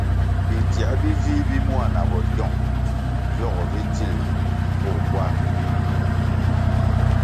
Bidziē bi vih bi mua na bogyong viogo vi dzil poh makwar.